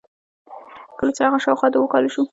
کله چې هغه شاوخوا د اوو کالو شو.